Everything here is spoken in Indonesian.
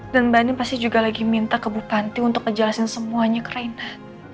dan mbak nin pasti juga lagi minta ke bupanti untuk ngejelasin semuanya ke reina